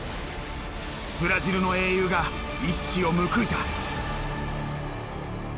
ブラジルの英雄が一矢を報いた。